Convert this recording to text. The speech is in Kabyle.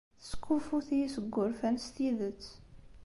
Teskuffut-iyi seg wurfan s tidet.